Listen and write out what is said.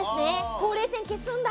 ほうれい線消すんだ。